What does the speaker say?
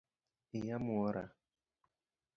Iya mwora